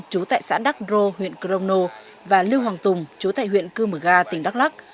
chú tại xã đắc rô huyện crono và lưu hoàng tùng chú tại huyện cư mờ ga tỉnh đắk lắc